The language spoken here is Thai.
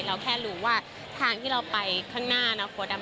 เราแค่รู้ว่าทางที่เราไปข้างหน้านะโค้ดำ